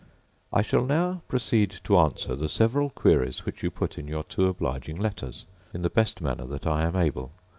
I shall now proceed to answer the several queries which you put in your two obliging letters, in the best manner that I am able.